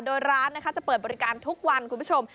โดยร้านจะเปิดบริการทุกวันคุณผู้ชม